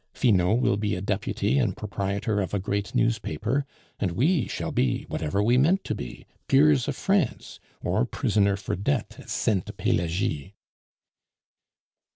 Finot will be a deputy and proprietor of a great newspaper, and we shall be whatever we meant to be peers of France, or prisoner for debt in Sainte Pelagie."